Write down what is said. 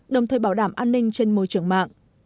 đồng thời bảo đảm an ninh trên môi trường mạng